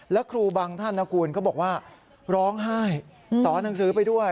แล้วครูบางท่านนะคุณเขาบอกว่าร้องไห้สอนหนังสือไปด้วย